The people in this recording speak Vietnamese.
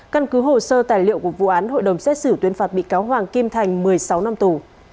căn cứ hồ sơ tài liệu của vụ án hội đồng xét xử tuyên phạt bị cáo hoàng kim thành một mươi sáu năm tù